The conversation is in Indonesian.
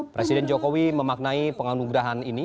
presiden jokowi memaknai penganugerahan ini